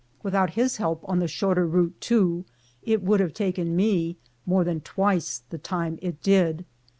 Without his help on the shorter route, too, it would have taken me more than twice the time it did.